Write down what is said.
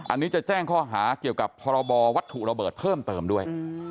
อันนี้จะแจ้งข้อหาเกี่ยวกับพรบวัตถุระเบิดเพิ่มเติมด้วย